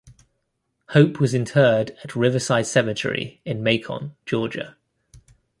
Hope was interred at Riverside Cemetery in Macon, Georgia.